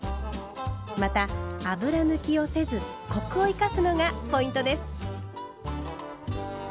また油抜きをせずコクを生かすのがポイントです。